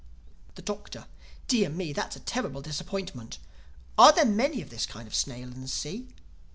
The Doctor: "Dear me! That's a terrible disappointment. Are there many of this kind of snail in the sea?"